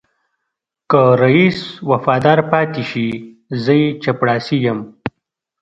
که رئيس وفادار پاتې شي زه يې چپړاسی یم.